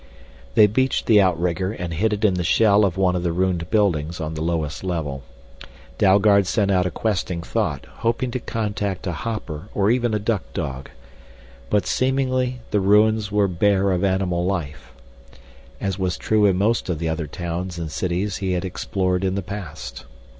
They beached the outrigger and hid it in the shell of one of the ruined buildings on the lowest level. Dalgard sent out a questing thought, hoping to contact a hopper or even a duck dog. But seemingly the ruins were bare of animal life, as was true in most of the other towns and cities he had explored in the past.